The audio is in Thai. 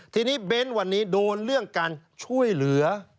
ทีนี้เบ้นวันนี้โดนเรื่องการช่วยเหลือ